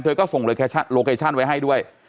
ก็ส่งโลเคชั่นไว้ให้ด้วย